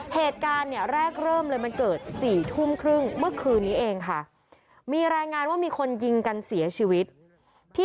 เหตุการณ์เนี่ยแรกเริ่มเลยมันเกิด๔ทุ่มครึ่งเมื่อคืนนี้เองค่ะมีรายงานว่ามีคนยิงกันเสียชีวิตที่